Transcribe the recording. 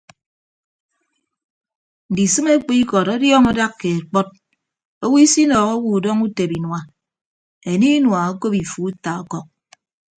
Ndisịme ekpu ikọt ọdiọọñọ adak keed kpọt owo isinọọhọ owo udọñọ utebe inua enie inua okop ifu uta ọkọk.